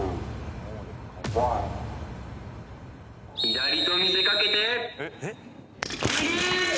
左と見せ掛けて右！